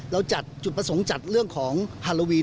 เราจัดจุดประสงค์จัดเรื่องของฮาโลวีน